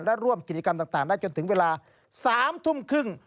และร่วมกิจกรรมต่างได้จนถึงเวลา๓ทุ่มครึ่ง